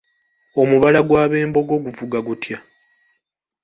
Omubala gw’abembogo guvuga gutya?